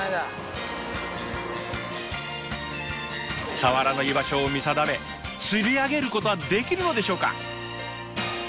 サワラの居場所を見定め釣り上げることはできるのでしょうか。